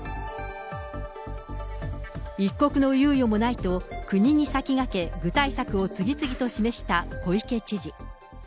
一刻の猶予もないと、国に先駆け具体策を次々と示した小池知事。